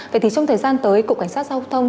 vậy thì trong thời gian tới cục cảnh sát giao thông